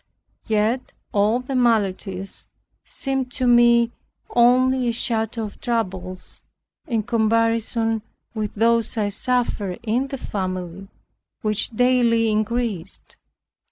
Yet all the maladies seemed to me only a shadow of troubles, in comparison with those I suffered in the family which daily increased.